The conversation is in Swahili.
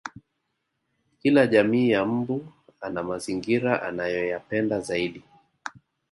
Kila jamii ya mbu ana mazingira anayoyapenda zaidi